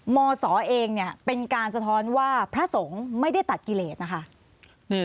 มศเองเนี่ยเป็นการสะท้อนว่าพระสงฆ์ไม่ได้ตัดกิเลสนะคะ